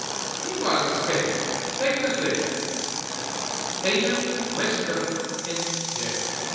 Meanwhile, Miss Kane, take this letter: Agent, Westcote, N. J.